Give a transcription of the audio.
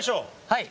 はい！